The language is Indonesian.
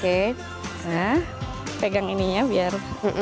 oke nah pegang ininya biar